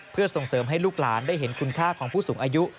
เพื่อส่งเสริมให้ลูกหลานได้เห็นคุณค่าของผู้สูงอายุ